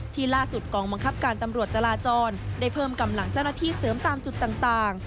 ล่าสุดกองบังคับการตำรวจจราจรได้เพิ่มกำลังเจ้าหน้าที่เสริมตามจุดต่าง